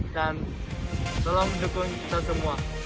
dan tolong mendukung kita semua